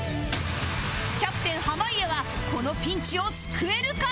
キャプテン濱家はこのピンチを救えるか？